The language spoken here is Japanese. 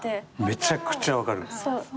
めちゃくちゃ分かる。